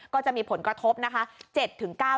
ก็จะมีผลกระทบนะคะ